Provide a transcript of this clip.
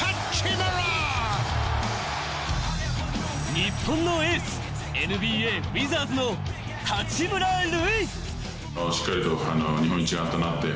日本のエース、ＮＢＡウィザーズの八村塁。